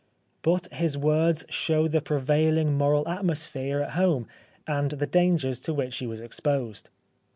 But his words show the prevaihng moral atmosphere at home, and the dangers to which he was exposed.